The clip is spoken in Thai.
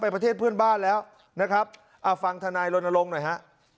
ไปประเทศเพื่อนบ้านแล้วนะครับฟังทนายลนโลงหน่อยฮะ